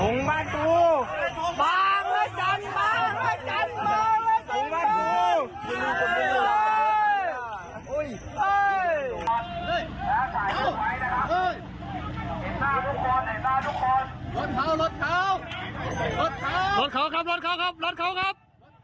คุณพี่มีส่วนเกี่ยวข้อความหว่างมาแล้วครับ